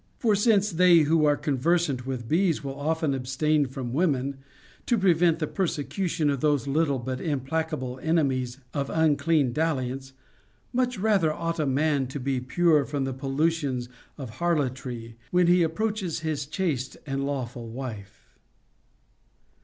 For since they who are conversant with bees will often abstain from women, to prevent the persecution of those little but implacable enemies of unclean dalliance, much rather ought a man to be pure from the pollutions of harlotry, when he ap proaches his chaste and lawful wife.